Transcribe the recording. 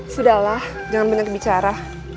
sudahlah jangan banyak bicara